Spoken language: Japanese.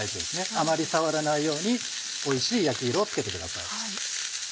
あまり触らないようにおいしい焼き色をつけてください。